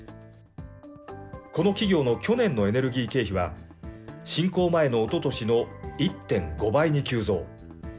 この企業の去年のエネルギー経費は、侵攻前のおととしの１．５倍に急増。